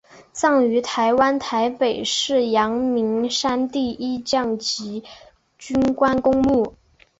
葬于台湾台北市阳明山第一将级军官公墓